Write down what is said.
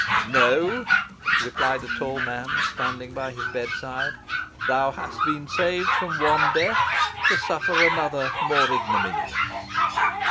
"No," replied a tall man standing by his bedside; "thou hast been saved from one death to suffer another more ignominious."